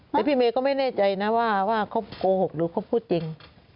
แต่พี่เมย์ก็ไม่แน่ใจนะว่าเขาโกหกหรือเขาพูดจริง